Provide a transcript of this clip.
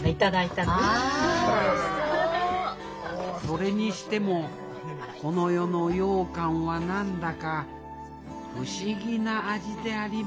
それにしてもこの夜の羊羹は何だか不思議な味でありました